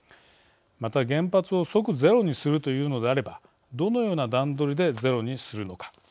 また、原発を即ゼロにするというのであればどのような段取りでゼロにするのか。